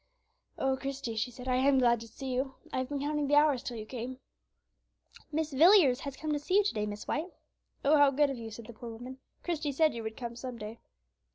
"Oh, Christie," she said, "I am glad to see you; I have been counting the hours till you came." "Mrs. Villiers has come to see you to day, Mrs. White." "Oh! how good of you," said the poor woman; "Christie said you would come some day."